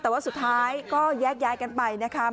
แต่ว่าสุดท้ายก็แยกย้ายกันไปนะคะ